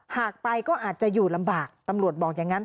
หากไปก็อาจจะอยู่ลำบากตำรวจบอกอย่างนั้น